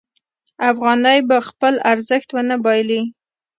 افغانۍ به خپل ارزښت ونه بایلي.